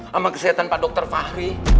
sama kesehatan pak dr fahri